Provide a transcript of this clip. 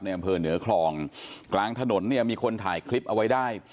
อำเภอเหนือคลองกลางถนนเนี่ยมีคนถ่ายคลิปเอาไว้ได้